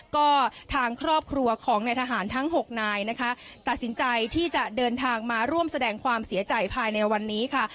ก็ทางครอบครัวของนายทหารทั้ง๖นายนะคะตัดสินใจที่จะเดินทางมาร่วมแสดงความเสียใจภายในวันนี้ค่ะ